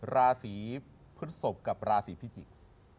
ราศีพฤศพกับราศีพิจิกษ์